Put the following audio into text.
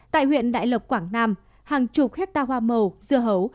tại huyện đại lộc quảng nam hàng chục hectare hoa màu dưa hấu